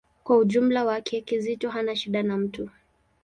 Kwa ujumla wake, Kizito hana shida na mtu.